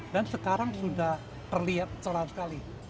dan sekarang sudah terlihat secara sekali